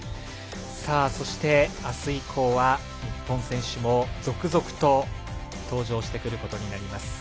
そして、あす以降は日本選手も続々と登場してくることになります。